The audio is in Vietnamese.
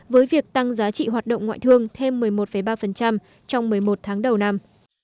với việc tăng giá trị hoạt động ngoại thương thêm một mươi một ba trong một mươi một tháng đầu năm